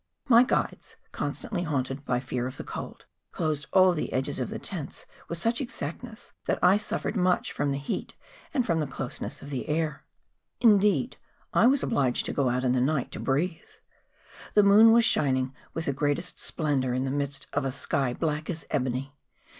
]My guides, constantly haunted by fear of the cold, closed all the edges of the tents with such exactness that I suffered much from the heat and from the closeness of the air. Indeed I was obliged to go out in the night to breathe. The moon was shining with the greatest splendour in the midst of a sky black as ebony.